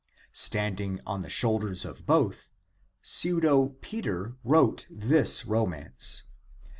Standing on the shoulders of both, Pseudo Peter wrote this romance.